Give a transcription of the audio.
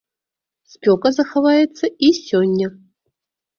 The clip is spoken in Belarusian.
Спёка захаваецца і сёння.